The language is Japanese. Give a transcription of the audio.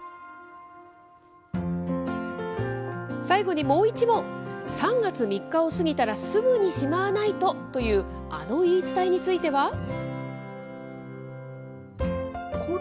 最後にもう１問、３月３日を過ぎたらすぐにしまわないとという、あの言い伝えについては？